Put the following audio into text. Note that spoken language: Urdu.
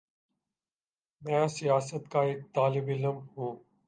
میں سیاست کا ایک طالب علم ہوں۔